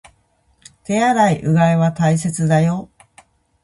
手洗い、うがいは大切だよ